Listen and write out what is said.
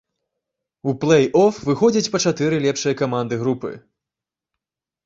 У плей-оф выходзяць па чатыры лепшыя каманды групы.